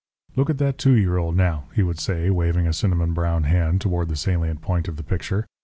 "Look at that two year old, now," he would say, waving a cinnamon brown hand toward the salient point of the picture.